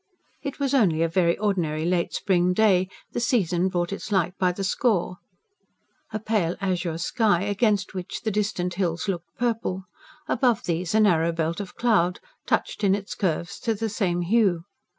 It was only a very ordinary late spring day; the season brought its like by the score: a pale azure sky, against which the distant hills looked purple; above these a narrow belt of cloud, touched, in its curves, to the same hue.